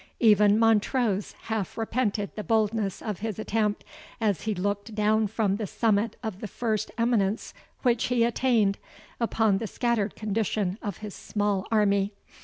Even Montrose half repented the boldness of his attempt, as he looked down from the summit of the first eminence which he attained, upon the scattered condition of his small army.